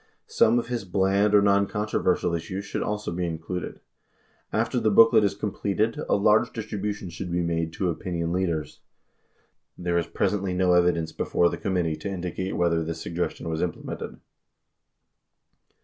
Some of his bland or noncontroversial issues should also be included. After the booklet is completed, a large distribu tion should be made to opinion leaders. 82 There is presently no evidence before the committee to indicate Avhether this suggestion was implemented.